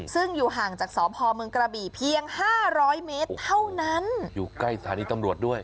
ซึ่งอยู่ห่างจากสพเมืองกระบี่เพียงห้าร้อยเมตรเท่านั้นอยู่ใกล้สถานีตำรวจด้วย